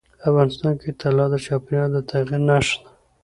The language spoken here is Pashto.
افغانستان کې طلا د چاپېریال د تغیر نښه ده.